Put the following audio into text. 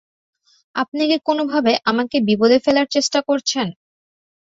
আপনি কি কোনোভাবে আমাকে বিপদে ফেলার চেষ্টা করছেন?